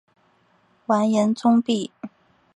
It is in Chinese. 完颜宗弼。